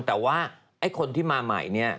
แต่ว่าคนที่มาใหม่นี่